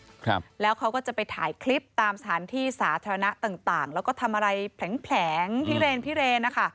ครับแล้วเขาก็จะไปถ่ายคลิปตามสถานที่สาธารณะต่างต่างแล้วก็ทำอะไรแผลงแผลงพิเรนพิเรนนะคะ